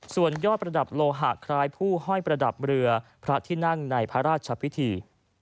ส่วนยอดประดับโลหะคล้ายผู้ห้อยประดับเรือพระที่นั่งในพระราชพิธี